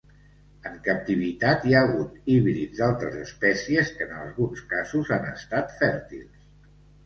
En captivitat, hi ha hagut híbrids d'altres espècies, que en alguns casos han estat fèrtils.